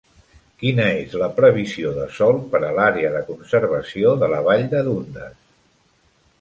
Quina és la previsió de sol per a l'àrea de conservació de la Vall de Dundas